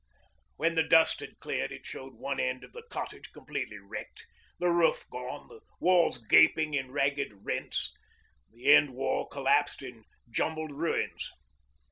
When the dust had cleared it showed one end of the cottage completely wrecked, the roof gone, the walls gaping in ragged rents, the end wall collapsed in jumbled ruins.